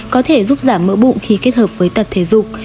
có thể giúp giảm mỡ bụng khi kết hợp với tập thể dục